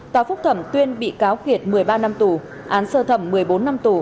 tòa phúc thẩm tuyên bị cáo kiệt một mươi ba năm tù án sơ thẩm một mươi bốn năm tù